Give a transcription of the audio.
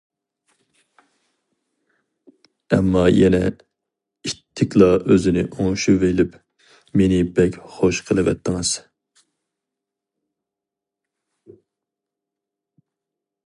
ئەمما يەنە ئىتتىكلا ئۆزىنى ئوڭشىۋېلىپ:-مېنى بەك خوش قىلىۋەتتىڭىز!